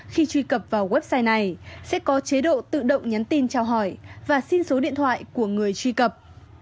khi truy cập vào website này sẽ có chế độ tự động nhắn tin trao hỏi và xin số điện thoại của người truy cập